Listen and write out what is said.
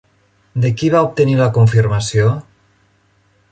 De qui va obtenir la confirmació?